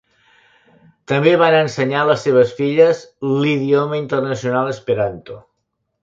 També van ensenyar a les seves filles l'idioma internacional esperanto.